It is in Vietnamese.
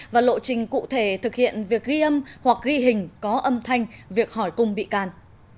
và lộ trình cụ thể thực hiện việc ghi âm hoặc ghi hình có âm thanh việc hỏi cung bị can